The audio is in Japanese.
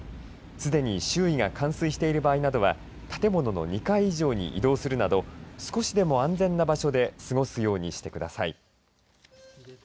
すでに周囲が冠水している場合などは建物の２階以上に移動するなど少しでも安全な場所で過ごすようにしてください。